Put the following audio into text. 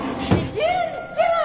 潤ちゃん！